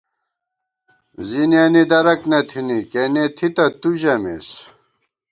زنِیَنی درَک نہ تھنی کېنے تھِتہ تُو ژَمېس